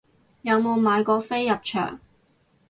有冇買過飛入場